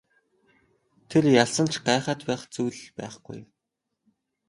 Тэр ялсан ч гайхаад байх зүйл байхгүй.